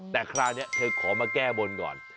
แต่คราวนี้เธอขอมาแก้บนก่อน